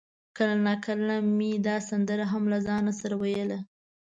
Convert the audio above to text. کله ناکله به مې دا سندره هم له ځانه سره ویله.